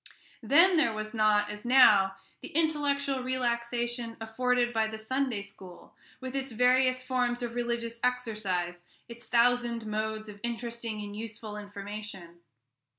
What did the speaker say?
Then there was not, as now, the intellectual relaxation afforded by the Sunday school, with its various forms of religious exercise, its thousand modes of interesting and useful information.